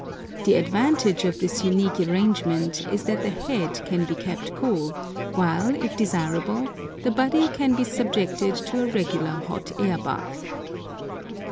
The advantage of this unique arrangement is that the head can be kept cool, while, if desirable, the body can be subjected to a regular hot air bath.